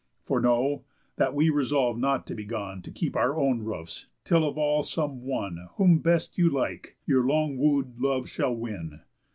For know, that we resolve not to be gone To keep our own roofs, till of all some one, Whom best you like, your long woo'd love shall win."